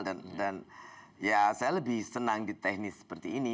dan saya lebih senang di teknis seperti ini